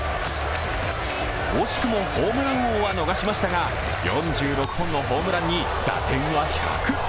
惜しくもホームラン王は逃しましたが４６本のホームランに打点は１００。